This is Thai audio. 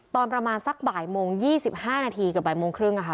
ตอนประมาณสักบ่ายโมง๒๕นาทีเกือบบ่ายโมงครึ่ง